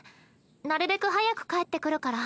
なるべく早く帰って来るから。